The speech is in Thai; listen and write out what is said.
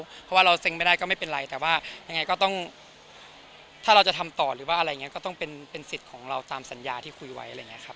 เพราะว่าเราเซ็งไม่ได้ก็ไม่เป็นไรแต่ว่ายังไงก็ต้องถ้าเราจะทำต่อหรือว่าอะไรอย่างนี้ก็ต้องเป็นสิทธิ์ของเราตามสัญญาที่คุยไว้อะไรอย่างนี้ครับ